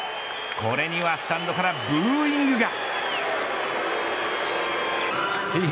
これにはスタンドからブーイングが。